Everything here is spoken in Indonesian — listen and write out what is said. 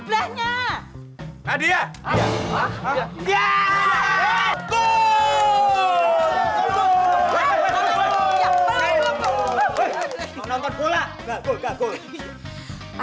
iya mas pacarnya siapa